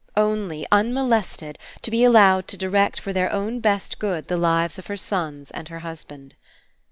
Only, unmolested, to be allowed to direct for their own best good the lives of her sons and her husband.